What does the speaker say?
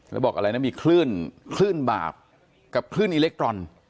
ละบอกอะไรมีคลื่นคลื่นบาปกับอีเล็กทรอน